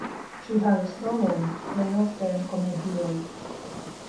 Ŝi havis rolojn plej ofte en komedioj.